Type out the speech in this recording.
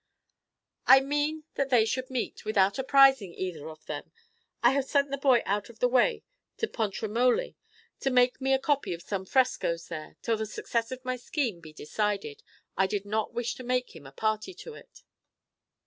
I mean that they should meet, without apprising either of them. I have sent the boy out of the way to Pontremoli to make me a copy of some frescoes there; till the success of my scheme be decided, I did not wish to make him a party to it."